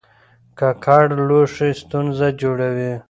ککړ لوښي ستونزه جوړوي.